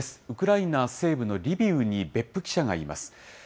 ウクライナ西部のリビウに別府記者がいます。